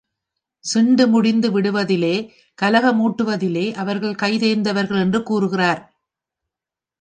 சிண்டு முடிந்து விடுவதிலே, கலக மூட்டுவதிலே அவர்கள் கைதேர்ந்தவர்கள் என்றும் கூறுகிறார்.